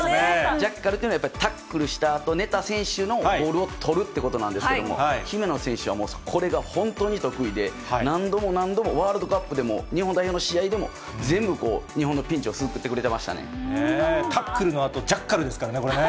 ジャッカルというのは、やっぱ、タックルしたあと、ねた選手のボールを取るってことなんですけれども、姫野選手はもう、これが本当に得意で、何度も何度も、ワールドカップでも日本代表の試合でも、全部こう、日本のピンチタックルのあと、ジャッカルですからね、これね。